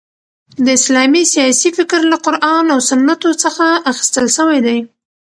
د اسلامی سیاسي فکر له قران او سنتو څخه اخیستل سوی دي.